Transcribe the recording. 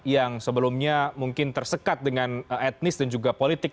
yang sebelumnya mungkin tersekat dengan etnis dan juga politik